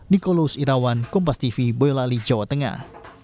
nikolus irawan kompas tv boyolali jawa tengah